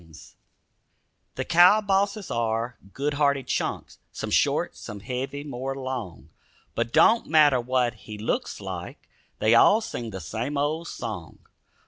DOGIE SONG The cow bosses are good hearted chunks, Some short, some heavy, more long; But don't matter what he looks like, They all sing the same old song.